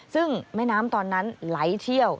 ซึ่งแม่น้ำตอนนั้นไหลเชี่ยว